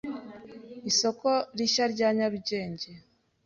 isoko rishya rya nyarugenge,